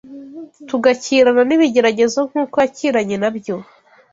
tugakirana n’ibigeragezo nk’uko yakiranye na byo